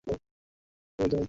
ওরা বলল, তবে কি তুমিই ইউসুফ?